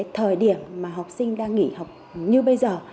thời điểm mà học sinh đang nghỉ học như bây giờ